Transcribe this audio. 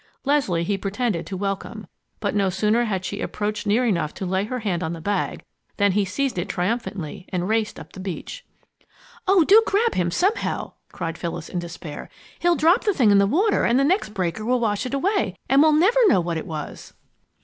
Leslie he pretended to welcome, but no sooner had she approached near enough to lay her hand on the bag than he seized it triumphantly and raced up the beach. "Oh, do grab him, somehow!" cried Phyllis, in despair. "He'll drop the thing in the water and the next breaker will wash it away, and we'll never know what it was!"